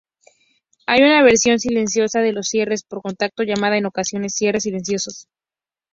Hay una versión silenciosa de los cierres por contacto, llamada en ocasiones cierres silenciosos.